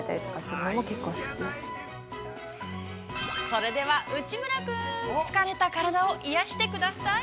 ◆それでは、内村君疲れた体を癒やしてください。